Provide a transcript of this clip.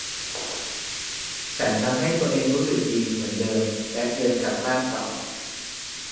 ฉันทำให้ตัวเองรู้สึกดีเหมือนเดิมและเดินกลับบ้านต่อ